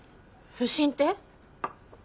不審って？